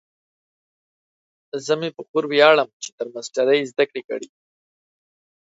زه مې په خور ویاړم چې تر ماسټرۍ یې زده کړې کړي